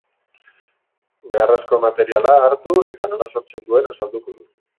Beharrezko materiala hartu eta nola sortzen duen azalduko du.